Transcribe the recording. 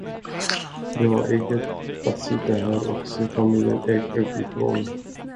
Det var eget att sitta här och se familjen Ek uppifrån.